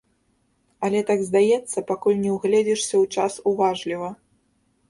Але так здаецца, пакуль не ўгледзішся ў час уважліва.